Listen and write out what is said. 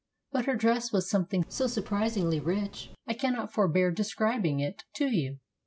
But her dress was some thing so surprisingly rich, I cannot forbear describing it to you.